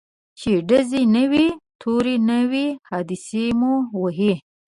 چي ډزي نه وي توری نه وي حادثې مو وهي